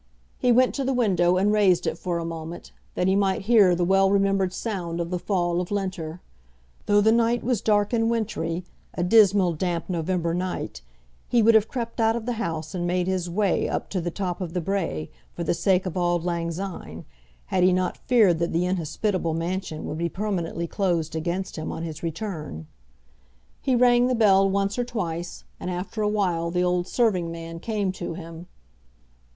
He went to the window, and raised it for a moment, that he might hear the well remembered sound of the Fall of Linter. Though the night was dark and wintry, a dismal damp November night, he would have crept out of the house and made his way up to the top of the brae, for the sake of auld lang syne, had he not feared that the inhospitable mansion would be permanently closed against him on his return. He rang the bell once or twice, and after a while the old serving man came to him.